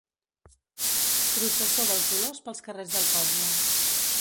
Processó dels Dolors pels carrers del poble.